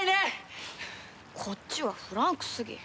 こっちはフランクすぎ。